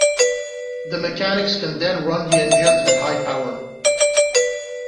The mechanics can then run the engines at high power.